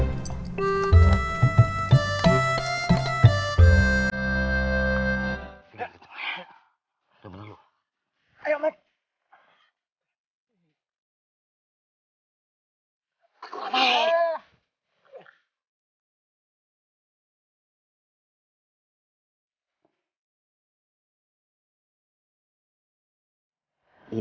gak ada kunci pintu ga ada yang menang lu